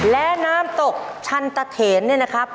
และน้ำตกชันตะเขนเนี่ยนะครับ